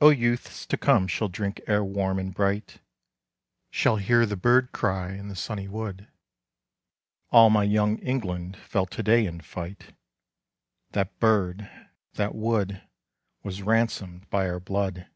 O youths to come shall drink air warm and bright, Shall hear the bird cry in the sunny wood, All my Young England fell to day in fight: That bird, that wood, was ransomed by our blood!